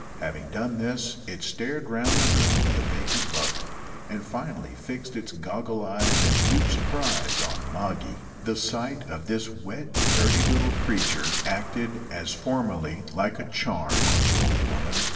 Having done this, it stared round the room with a vacant look, and finally fixed its goggle eyes in mute surprise on Moggy. The sight of this wet, dirty little creature acted, as formerly, like a charm on the old woman.